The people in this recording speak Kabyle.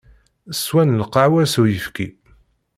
Swan lqahwa s uyefki.